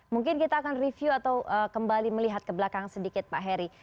mungkin kita akan review atau kembali melihat ke belakang sedikit pak heri